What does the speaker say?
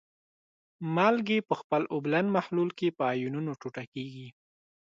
مالګې په خپل اوبلن محلول کې په آیونونو ټوټه کیږي.